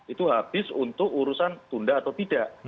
itu habis untuk urusan tunda atau tidak